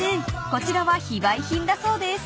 こちらは非売品だそうです］